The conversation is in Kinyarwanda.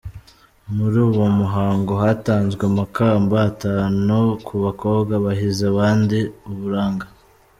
Muri uwo muhango hatanzwe amakamba atanu ku bakobwa bahize abandi uburanga.